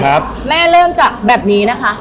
แม่เริ่มจากแบบนี้นะคะ